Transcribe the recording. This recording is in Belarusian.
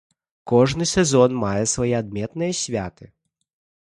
Кожны сезон мае свае адметныя святы.